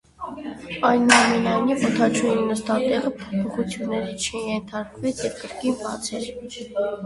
Այնուամենայնիվ օդաչուի նստատեղը փոփոխությունների չենթարկվեց, և կրկին բաց էր։